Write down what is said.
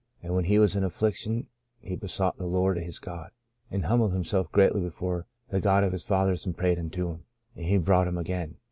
... And when he was in affliction he be sought the Lord his God, and humbled himself greatly before the God of his fathers and prayed unto Him ; and He brought him again